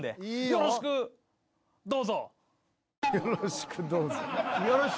「よろしくどうぞ」